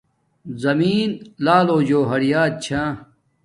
زمین لعلو جوہریات چھا